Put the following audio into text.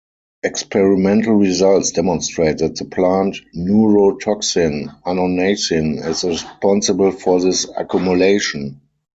Experimental results demonstrate that the plant neurotoxin annonacin is responsible for this accumulation.